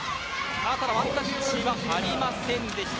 ただ、ワンタッチはありませんでした。